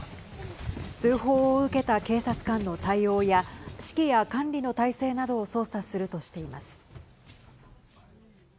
通報を受けた警察官の対応や指揮や管理の態勢などを捜査するとしています。